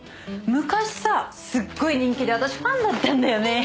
昔さすごい人気で私ファンだったんだよね。